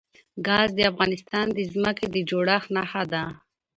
ګاز د افغانستان د ځمکې د جوړښت نښه ده.